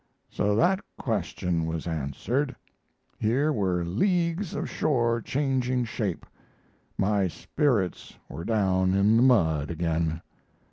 So that question was answered. Here were leagues of shore changing shape. My spirits were down in the mud again.